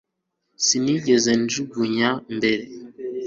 Sinigeze njugunywa mbere